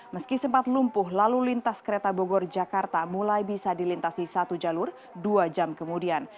meski sempat lumpuh lalu lintas kereta bogor jakarta mulai bisa dilintasi satu jalur dua jam kemudian